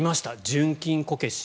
純金こけし。